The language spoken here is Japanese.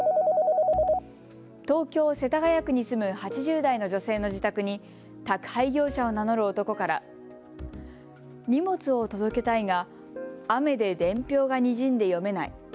東京・世田谷区に住む８０代の女性の自宅に宅配業者を名乗る男から荷物を届けたいが、雨で伝票がにじんで読めない。